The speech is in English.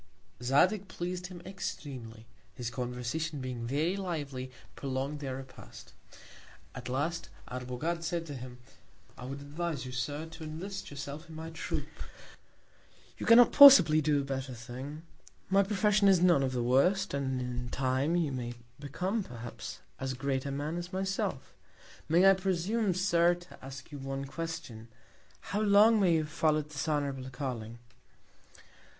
Zadig pleas'd him extremely; his Conversation being very lively, prolong'd their Repast: At last, Arbogad said to him; I would advise you, Sir, to enlist yourself in my Troop; you cannot possibly do a better Thing: My Profession is none of the worst; and in Time, you may become perhaps as great a Man as myself. May I presume, Sir, to ask you one Question; how long may you have follow'd this honourable Calling?